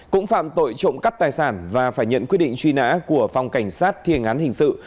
cũng phạm tội trộm cắp tài sản và phải nhận quyết định truy nã của phòng cảnh sát thiên án hình sự